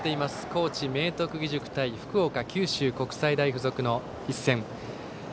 高知・明徳義塾対福岡・九州国際大付属の一戦。